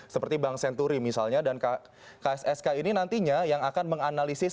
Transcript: seperti bank senturi misalnya dan kssk ini nantinya yang akan menganalisis